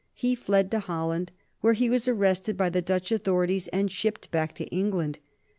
He fled to Holland, where he was arrested by the Dutch authorities, and shipped back to England.